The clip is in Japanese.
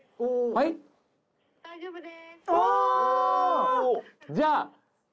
はい大丈夫です。